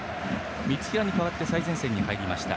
三平に代わって最前線に入りました。